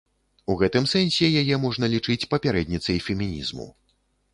У гэтым сэнсе яе можна лічыць папярэдніцай фемінізму.